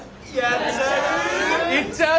いっちゃう？